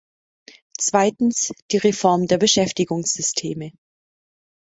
Zweitens, die Reform der Beschäftigungssysteme.